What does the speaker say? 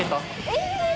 え